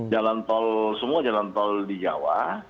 jalan tol semua jalan tol di jawa